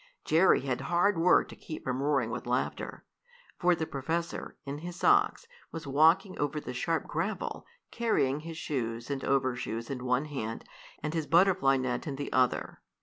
Jerry had hard work to keep from roaring with laughter. For the professor, in his socks, was walking over the sharp gravel, carrying his shoes and overshoes in one hand, and his butterfly net in the other.